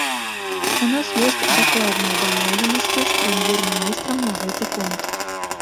У нас ёсць дакладныя дамоўленасці з прэм'ер-міністрам на гэты конт.